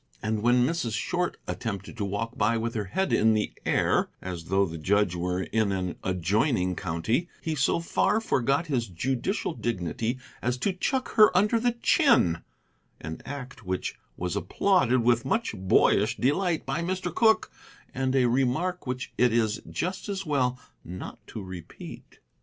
And, when Mrs. Short attempted to walk by with her head in the air, as though the judge were in an adjoining county, he so far forgot his judicial dignity as to chuck her under the chin, an act which was applauded with much boyish delight by Mr. Cooke, and a remark which it is just as well not to repeat.